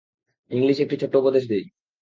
English, একটা ছোট্ট উপদেশ দিই।